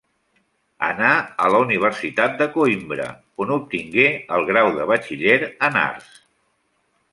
Anà a la Universitat de Coïmbra, on obtingué el grau de batxiller en arts.